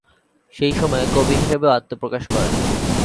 সেই সময়ে কবি হিসাবেও আত্মপ্রকাশ করেন।